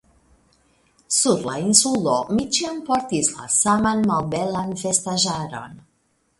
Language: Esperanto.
Sur la Insulo mi ĉiam portis la saman malbelan vestaĵaron.